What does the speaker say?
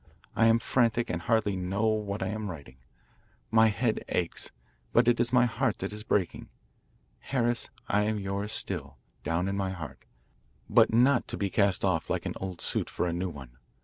I am frantic and hardly know what I am writing. My head aches, but it is my heart that is breaking. Harris, I am yours still, down in my heart, but not to be cast off like an old suit for a new one.